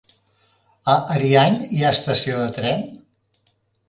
A Ariany hi ha estació de tren?